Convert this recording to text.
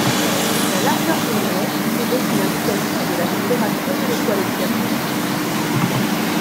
La largeur d’une raie est donc une indication de la température de l’étoile observée.